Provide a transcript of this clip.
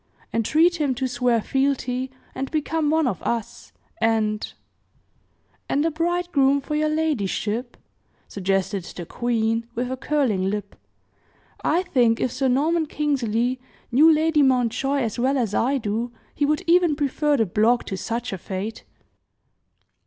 "Entreat him to swear fealty, and become one of us; and " "And a bridegroom for your ladyship?" suggested the queen, with a curling lip. "I think if Sir Norman Kingsley knew Lady Mountjoy as well as I do, he would even prefer the block to such a fate!"